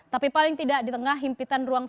tapi paling tidak di tengah himpitan ruang